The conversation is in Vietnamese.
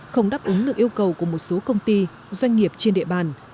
không đáp ứng được yêu cầu của một số công ty doanh nghiệp trên địa bàn